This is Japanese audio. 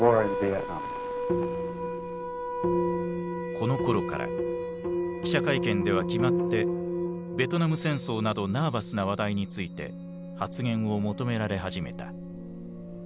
このころから記者会見では決まってベトナム戦争などナーバスな話題について発言を求められ始めた。